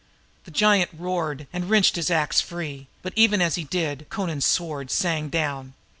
The giant roared and wrenched the axe head free, but even as he did so, Amra's sword sank down.